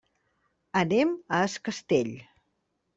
Anem a es Castell.